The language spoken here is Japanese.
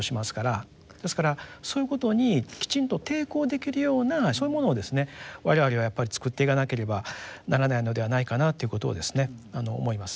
ですからそういうことにきちんと抵抗できるようなそういうものを我々はやっぱり作っていかなければならないのではないかなということを思いますね。